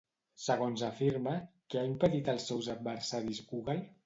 Segons afirma, què ha impedit als seus adversaris, Google?